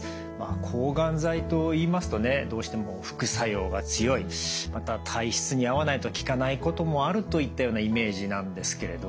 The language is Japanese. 抗がん剤といいますとねどうしても副作用が強いまた体質に合わないと効かないこともあるといったようなイメージなんですけれど。